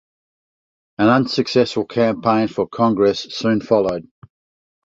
An unsuccessful campaign for Congress soon followed.